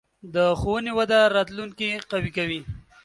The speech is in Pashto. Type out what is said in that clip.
د ښوونې وده راتلونکې قوي کوي.